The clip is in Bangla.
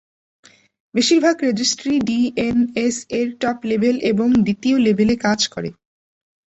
বেশিরভাগ রেজিস্ট্রি ডিএনএস-এর টপ-লেভেল এবং দ্বিতীয়-লেভেলে কাজ করে।